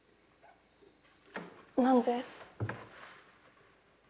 何で？